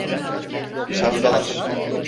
Dışarıdalar.